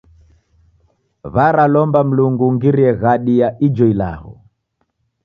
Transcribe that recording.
W'aralomba Mlungu ungirie ghadi ya ijo ilagho.